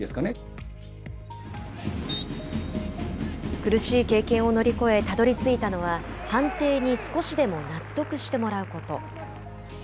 苦しい経験を乗り越えたどりついたのは判定に少しでも納得してもらうこと。